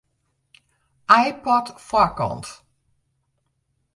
iPod foarkant.